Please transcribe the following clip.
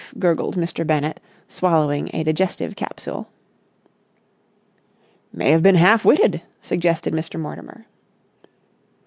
gurgled Mr. Bennett, swallowing a digestive capsule. "May have been half witted," suggested Mr. Mortimer.